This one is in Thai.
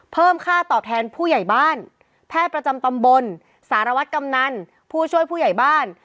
เพิ่มค่าตอบแทนผู้ใหญ่บ้านแพทย์ประจำตำบลสารวัตรกำนันผู้ช่วยผู้ใหญ่บ้าน